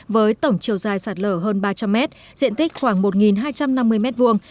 với tổng chiều dài sạt lở hơn ba trăm linh mét diện tích khoảng một hai trăm năm mươi m hai